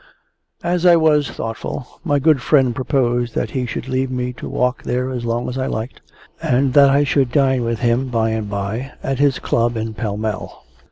As I was thoughtful, my good friend proposed that he should leave me to walk there as long as I liked, and that I should dine with him by and by at his club in Pall Mall.